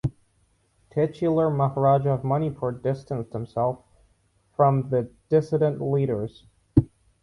Titular Maharaja of Manipur distanced himself from the dissident leaders.